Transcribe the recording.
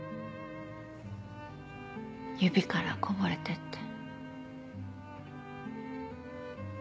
指からこぼれてって。